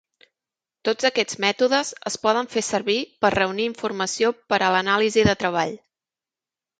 Tots aquests mètodes es poden fer servir per reunir informació per a l'anàlisi de treball.